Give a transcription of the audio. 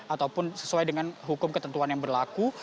ataupun sesuai dengan hukum ketentuan yang berlaku